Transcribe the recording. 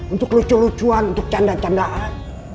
untuk lucu lucuan untuk candaan candaan